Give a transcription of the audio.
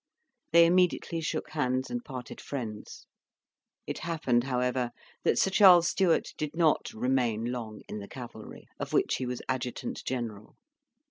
They immediately shook hands and parted friends. It happened, however, that Sir Charles Stewart did not remain long in the cavalry, of which he was Adjutant General.